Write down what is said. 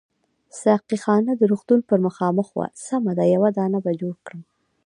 ساقي خانه د روغتون پر مخامخ وه، سمه ده یو دانه به جوړ کړم.